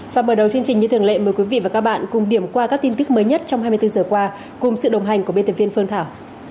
và mở đầu chương trình như thường lệ mời quý vị và các bạn cùng điểm qua các tin tức mới nhất trong hai mươi bốn giờ qua cùng sự đồng hành của biên tập viên phương thảo